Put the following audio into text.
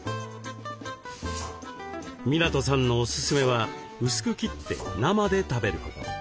湊さんのおすすめは薄く切って生で食べること。